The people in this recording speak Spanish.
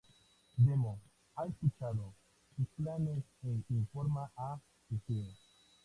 Demo ha escuchado sus planes e informa a Egeo.